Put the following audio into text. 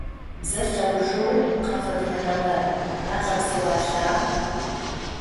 Бзэ лӏэужэу къафэдгъэнагъэр агъэпсэуалъа?